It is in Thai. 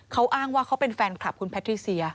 เขาอ้างว่าเขาเป็นแฟนคลับคุณแพทิเซีย